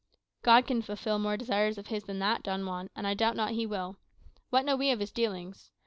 "God can fulfil more desires of his than that, Don Juan, and I doubt not he will. What know we of his dealings?